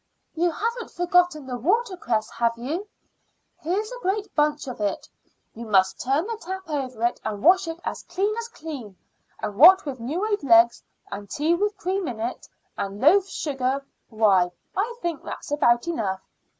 You haven't forgotten the water cress, have you?" "Here's a great bunch of it. You must turn the tap over it and wash it as clean as clean. And what with new laid eggs, and tea with cream in it, and loaf sugar, why, I think that's about enough."